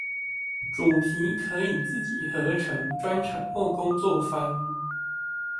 主題可以自己合成專場或工作坊